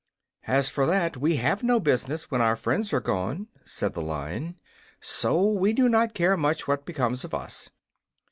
"As for that, we have no business, when our friends are gone," said the Lion. "So we do not care much what becomes of us."